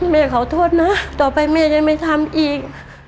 แม่ขอโทษนะต่อไปแม่จะไม่ทำอีก